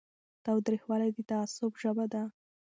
تاوتریخوالی د تعصب ژبه ده